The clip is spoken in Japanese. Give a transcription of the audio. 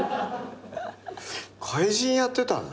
怪人やってたんだ？